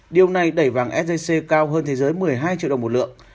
điều này đẩy vàng sgc cao hơn thế giới một mươi hai triệu đồng một lượng